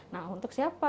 nah untuk siapa